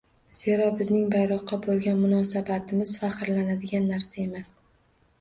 Zero, bizning bayroqqa bo'lgan munosabatimiz faxrlanadigan narsa emas